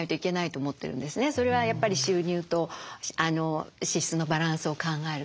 それはやっぱり収入と支出のバランスを考えるとね。